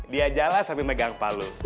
dia jalan sambil megang palu